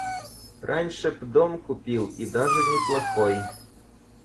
Раньше б дом купил — и даже неплохой.